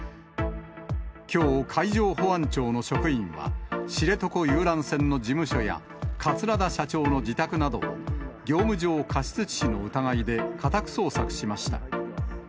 きょう海上保安庁の職員は、知床遊覧船の事務所や、桂田社長の自宅など、業務上過失致死の疑いで家宅捜索しました。